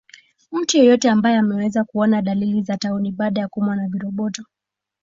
Mtu yeyote ambaye ameanza kuona dalili za tauni baada ya kuumwa na viroboto